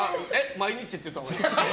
毎日って言ったほうがいいですか？